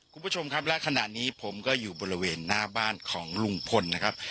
คุณผู้ชมครับและขณะนี้ผมก็อยู่บริเวณหน้าบ้านของลุงพลนะครับ